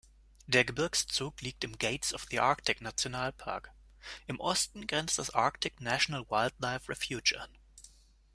Der Gebirgszugs liegt im Gates-of-the-Arctic-Nationalpark, im Osten grenzt das Arctic National Wildlife Refuge an.